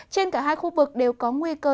trên cả hai khu vực đều có nguy cơ